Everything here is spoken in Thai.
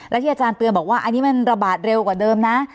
และที่อาจารย์เตือนบอกว่าอันนี้มันระบาดเร็วกว่าเดิมนะ